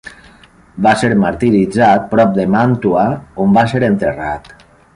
Va ser martiritzat prop de Màntua, on va ser enterrat.